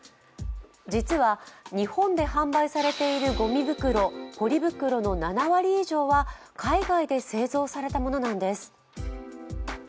実は日本で販売されているごみ袋・ポリ袋の７割以上は海外で製造されたものなんです。